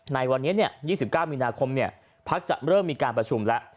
ในวันนี้๒๙มีนาคมพักจะเริ่มมีการประชุมแล้ว